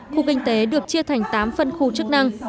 khu kinh tế được chia thành tám phân khu chức năng